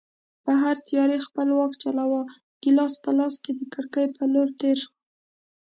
بهر تیارې خپل واک چلاوه، ګیلاس په لاس د کړکۍ په لور تېر شوم.